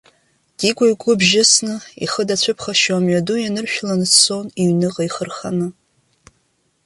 Дигәа игәы бжьысны, ихы дацәыԥхашьо амҩаду ианыршәланы дцон иҩныҟа ихы рханы.